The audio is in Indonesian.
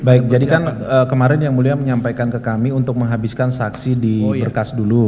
baik jadi kan kemarin yang mulia menyampaikan ke kami untuk menghabiskan saksi di berkas dulu